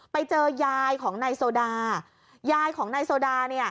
ไปเจอยายของนายโทดาร์